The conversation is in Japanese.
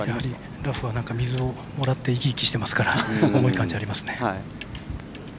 ラフは水をもらって生き生きしてますから重い感じがありますね。